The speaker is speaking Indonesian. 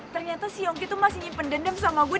ternyata si yungki tuh masih nyimpen dendam sama gue